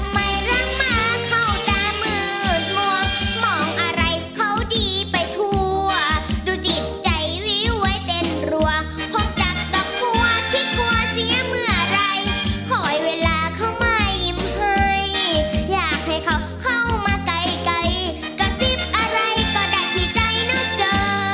มองอะไรเขาดีไปทั่วดูจิตใจวิไว้เต้นรัวพบจากดอกกลัวคิดกลัวเสียเมื่อไหร่คอยเวลาเข้ามายิ้มเฮยอยากให้เขาเข้ามาไกลไกลกระซิบอะไรก็ได้ที่ใจเนาะเจอ